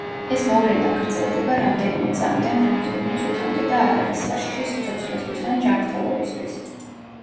ეს მოვლენა გრძელდება რამდენიმე წამიდან რამდენიმე წუთამდე და არ არის საშიში სიცოცხლისთვის ან ჯანმრთელობისთვის.